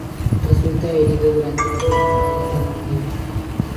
Resulta herido durante la Primera Guerra Mundial.